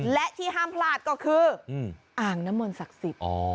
และที่ห้ามพลาดก็คืออ่างน้ำมนต์ศักดิ์สิทธิ์